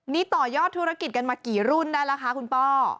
นี่ต่อยอดธุรกิจกันมากี่รุ่นได้แล้วคะคุณป้อ